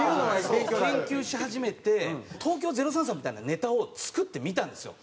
研究し始めて東京０３さんみたいなネタを作ってみたんですよ。